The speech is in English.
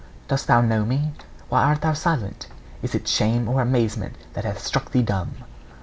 Dost thou know me? Why art thou silent? Is it shame or amazement that hath struck thee dumb?